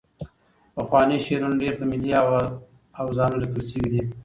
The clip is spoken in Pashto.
پخواني شعرونه ډېری په ملي اوزانو لیکل شوي دي.